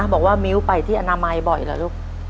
บอกว่ามิ้วไปที่อนามัยบ่อยเหรอลูก